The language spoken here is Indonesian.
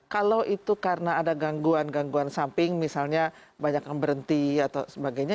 kalau itu karena ada gangguan gangguan samping misalnya banyak yang berhenti atau sebagainya